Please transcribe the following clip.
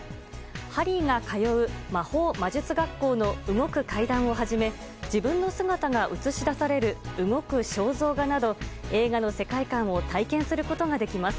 ハリーが通う魔法魔術学校の動く階段をはじめ自分の姿が映し出される動く肖像画など映画の世界観を体験することができます。